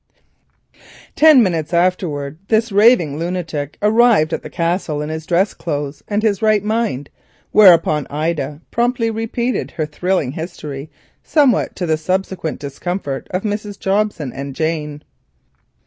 Ten minutes afterwards this raving lunatic arrived at the Castle in dress clothes and his right mind, whereon Ida promptly repeated her thrilling history, somewhat to the subsequent discomfort of Mrs. Jobson and Jane.